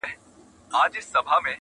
یا مرور دی له تعبیره قسمت.!